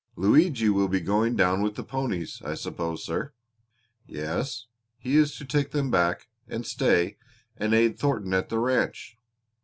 Luigi will be going down with the ponies, I suppose, sir." "Yes, he is to take them back, and stay and aid Thornton at the ranch."